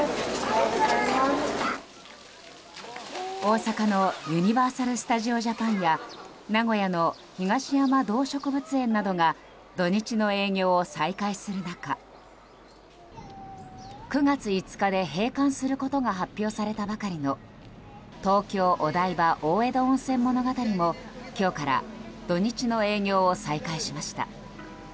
大阪のユニバーサル・スタジオ・ジャパンや名古屋の東山動植物園などが土日の営業を再開する中９月５日で閉館することが発表されたばかりの東京お台場大江戸温泉物語も今日から土日の営業を再開しました。